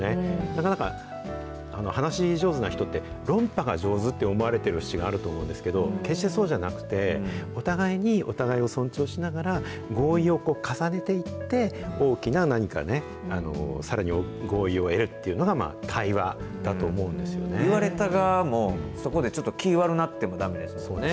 なかなか話し上手な人って論破が上手って思われてるふしがあると思うんですけど、決してそうじゃなくて、お互いにお互いを尊重しながら、合意を重ねていって、大きな何かね、さらに合意を得ると言われた側も、そこでちょっと気悪なってもだめですしね。